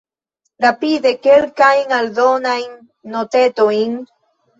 Rapide kelkajn aldonajn notetojn.